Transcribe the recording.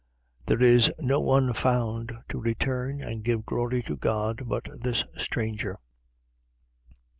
17:18. There is no one found to return and give glory to God, but this stranger.